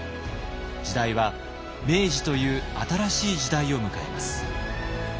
時代は明治という新しい時代を迎えます。